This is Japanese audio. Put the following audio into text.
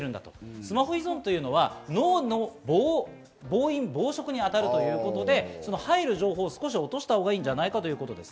スマホ依存は脳の暴飲暴食に当たるということで、入る情報を落とした方がいいんじゃないかということです。